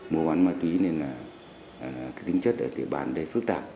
mua bán ma túy nên là cái tính chất ở địa bàn đây phức tạp